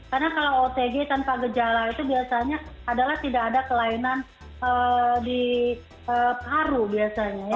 karena kalau otg tanpa gejala itu biasanya adalah tidak ada kelainan di paru biasanya ya